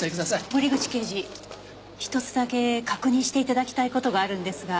森口刑事１つだけ確認して頂きたい事があるんですが。